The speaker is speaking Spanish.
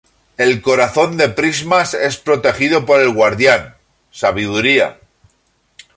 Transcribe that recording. El Corazón de Prismas es protegido por el Guardián, Sabiduría.